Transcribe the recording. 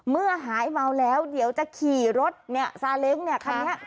เมื่อหายเมาแล้วเดี๋ยวจะขี่รถซาเล้งคราวนี้